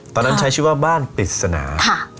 ตอนนั้นใช้ชื่อว่าบ้านปริศนา